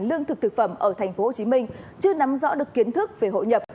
lương thực thực phẩm ở tp hcm chưa nắm rõ được kiến thức về hội nhập